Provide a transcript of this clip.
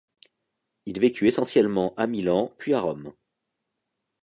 Il vécut essentiellement à Milan, puis à Rome.